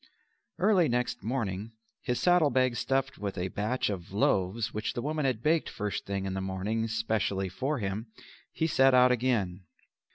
Early next morning, his saddle bag stuffed with a batch of loaves which the woman had baked first thing in the morning specially for him, he set out again.